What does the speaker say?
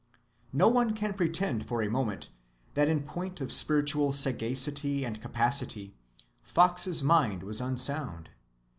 No one can pretend for a moment that in point of spiritual sagacity and capacity, Fox's mind was unsound.